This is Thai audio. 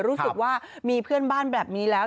รู้สึกว่ามีเพื่อนบ้านแบบนี้แล้ว